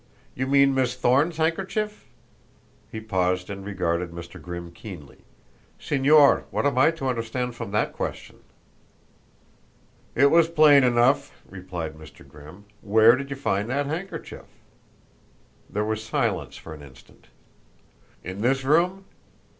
"You mean Miss Thorne's handkerchief?" He paused and regarded Mr. Grimm keenly. "Señor, what am I to understand from that question?" "It was plain enough," replied Mr. Grimm. "Where did you find that handkerchief?" There was silence for an instant. "In this room?"